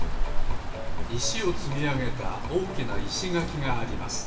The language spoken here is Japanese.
いしをつみあげたおおきないしがきがあります。